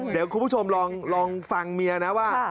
เดี๋ยวคุณผู้ชมลองฟังเมียนะว่า